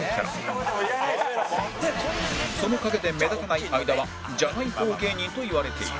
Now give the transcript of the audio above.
その陰で目立たない相田はじゃない方芸人と言われている